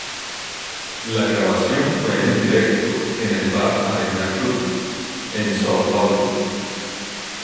La grabación fue en directo, en el "Bar Avenida Club", en São Paulo.